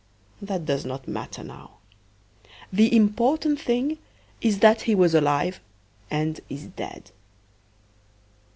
That does not matter now. The important thing is that he was alive and is dead.